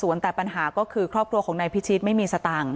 แต่ปัญหาก็คือครอบครัวของนายพิชิตไม่มีสตังค์